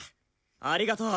ありがとう！